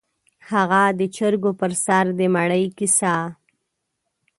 _هغه د چرګو پر سر د مړي کيسه؟